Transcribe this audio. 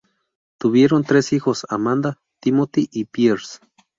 Tuvieron tres hijos, Amanda, Timothy y Piers.